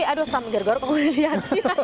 aduh sampe jarg jarg aku udah liat